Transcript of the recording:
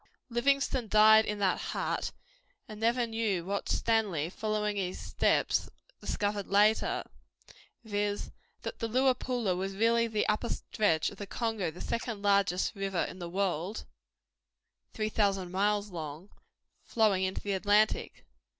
Livingstone died in that hut (1873) and never knew what Stanley, following in his footsteps, discovered later (1876 7), viz., that the Luapula was really the upper stretch of the Congo, the second largest river in the world (3000 miles long), flowing into the Atlantic.